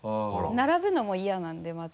並ぶのも嫌なんでまず。